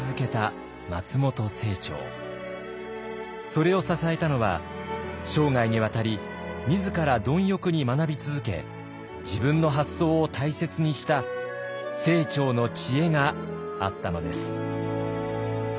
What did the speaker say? それを支えたのは生涯にわたり自ら貪欲に学び続け自分の発想を大切にした清張の知恵があったのです。